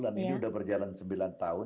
dan ini sudah berjalan sembilan tahun